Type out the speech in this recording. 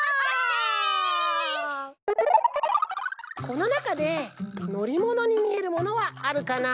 このなかでのりものにみえるものはあるかな？